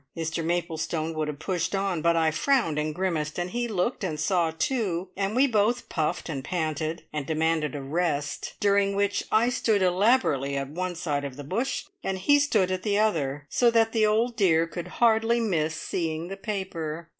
Mr Maplestone would have pushed on, but I frowned and grimaced, and he looked and saw too, and we both puffed and panted, and demanded a rest, during which I stood elaborately at one side of the bush, and he stood at the other, so that the old dear could hardly miss seeing the paper.